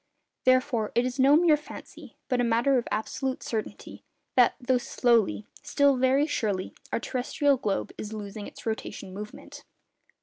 Therefore, it is no mere fancy, but a matter of absolute certainty, that, though slowly, still very surely, our terrestrial globe is losing its rotation movement.